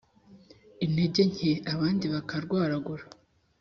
intege nke abandi bakarwaragura